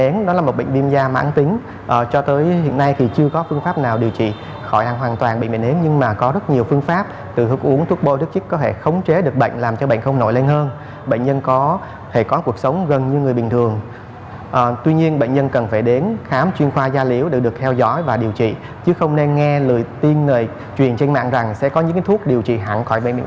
nghe lời tiên người truyền trên mạng rằng sẽ có những thuốc điều trị hẳn khỏi bệnh bệnh vẫy nến